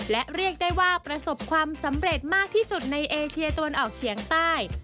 และเรียกได้ว่าประสบความสำเร็จมากที่สุดในเอเชียตะวันออกเฉียงใต้